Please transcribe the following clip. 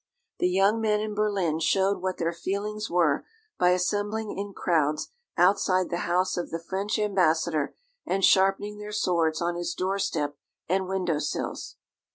The young men in Berlin showed what their feelings were by assembling in crowds outside the house of the French ambassador, and sharpening their swords on his doorstep and window sills.